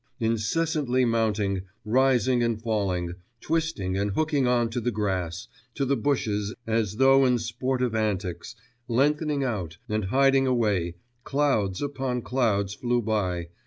Incessantly mounting, rising and falling, twisting and hooking on to the grass, to the bushes as though in sportive antics, lengthening out, and hiding away, clouds upon clouds flew by